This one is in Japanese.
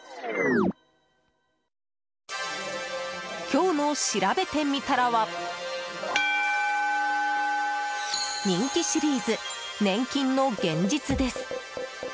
今日のしらべてみたらは人気シリーズ、年金の現実です。